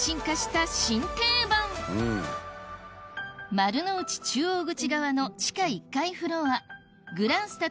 丸の内中央口側の地下１階フロアグランスタ